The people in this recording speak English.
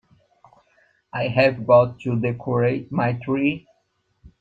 I've got to decorate my tree.